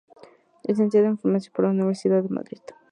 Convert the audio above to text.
Licenciado en Farmacia por la Universidad de Madrid.